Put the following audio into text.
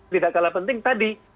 tidak kalah penting tadi